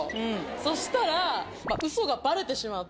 そしたら。